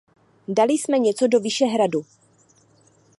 Dali jsme něco do Vyšehradu.